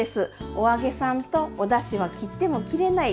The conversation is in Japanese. お揚げさんとおだしは切っても切れない関係。